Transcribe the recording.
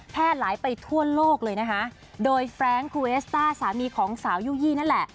หลายไปทั่วโลกเลยนะคะโดยแฟรงคูเอสต้าสามีของสาวยู่ยี่นั่นแหละ